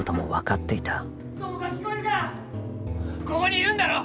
ここにいるんだろ？